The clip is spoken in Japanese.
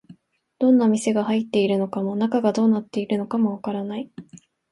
どんな店が入っているのかも、中がどうなっているのかもわからない